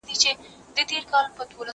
زه پرون پوښتنه کوم!.